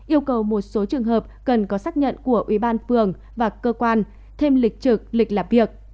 yêu cầu một số trường hợp cần có xác nhận của ubnd và cơ quan thêm lịch trực lịch lạp việc